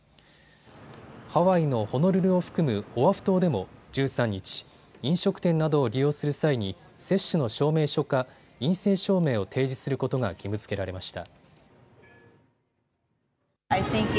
ハワイのホノルルを含むオアフ島でも１３日、飲食店などを利用する際に接種の証明書か陰性証明を提示することが義務づけられました。